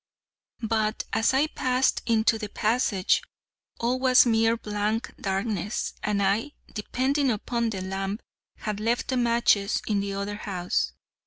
But as I passed into the passage, all was mere blank darkness, and I, depending upon the lamp, had left the matches in the other house.